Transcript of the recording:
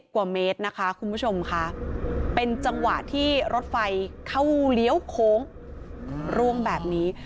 กว่าเมตรนะคะคุณผู้ชมค่ะเป็นจังหวะที่รถไฟเข้าเลี้ยวโค้งร่วงแบบนี้